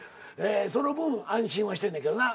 その分安心はしてんねんけどな。